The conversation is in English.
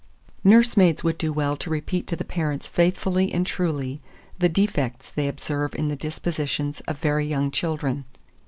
2401. Nursemaids would do well to repeat to the parents faithfully and truly the defects they observe in the dispositions of very young children.